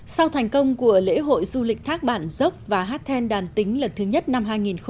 sau thành công của lễ hội du lịch thác bản dốc và hát then đàn tính lần thứ nhất năm hai nghìn một mươi chín